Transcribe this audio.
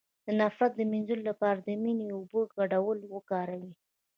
د نفرت د مینځلو لپاره د مینې او اوبو ګډول وکاروئ